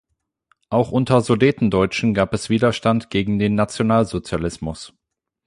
Auch unter Sudetendeutschen gab es Widerstand gegen den Nationalsozialismus.